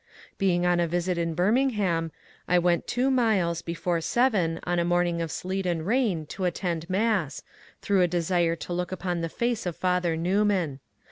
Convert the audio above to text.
Being on a visit in Birmingham, I went two miles before seven on a morning of sleet and rain to attend mass, through a desire to look upon the face of Father Newman.